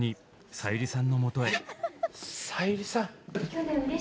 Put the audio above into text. さゆりさん。